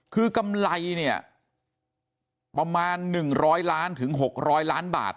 คือกำไรเนี่ยประมาณ๑๐๐ล้านถึง๖๐๐ล้านบาท